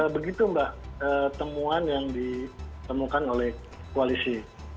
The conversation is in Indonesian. begitu mbak temuan yang ditemukan oleh koalisi